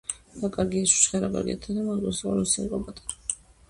რა კარგია ჩურჩხელა რა კარგია თათარა მამიკოსაც უყვარდა როცა იყო პატარა.